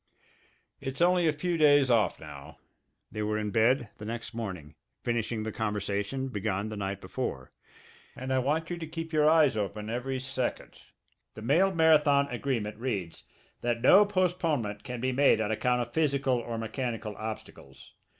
"It's only a few days off now" they were in bed the next morning, finishing the conversation begun the night before "and I want you to keep your eyes open every second! The mail marathon agreement reads that no postponement can be made on account of physical or mechanical obstacles.